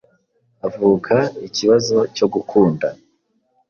havuka ikibazo cyo gukunda